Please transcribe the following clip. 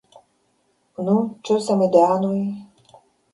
Nu, ĉu samideanoj?